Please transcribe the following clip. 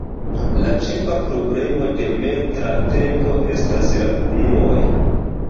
La ĉefa problemo de metra tempo estas la unuoj.